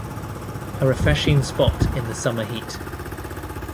A refreshing spot in the summer heat.